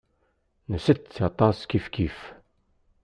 Nsett aṭas kifkif.